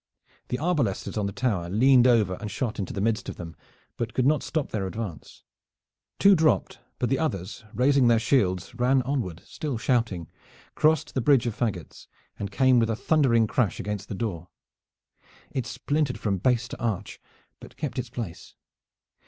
The arbalesters on the tower leaned over and shot into the midst of them, but could not stop their advance. Two dropped, but the others raising their shields ran onward still shouting, crossed the bridge of fagots, and came with a thundering crash against the door. It splintered from base to arch, but kept its place.